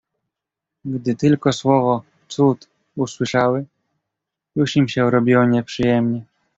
"Gdy tylko słowo „cud“ usłyszały, już im się robiło nieprzyjemnie."